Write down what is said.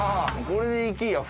これでいきいや